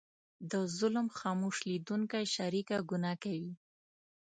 د ظلم خاموش لیدونکی شریکه ګناه کوي.